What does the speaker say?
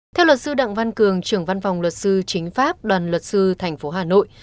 theo luật sư đặng văn cường trưởng văn phòng luật sư chính pháp đoàn luật sư tp hà nội